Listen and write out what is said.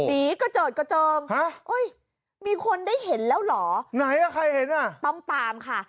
อีกกระเจิดกระเจิงโอ๊ยมีคนได้เห็นแล้วหรอต้องตามค่ะไหนอ่ะใครเห็นอ่ะ